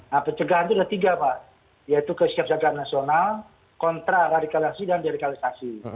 nah pencegahan itu ada tiga pak yaitu kesiapsiagaan nasional kontra radikalisasi dan deradikalisasi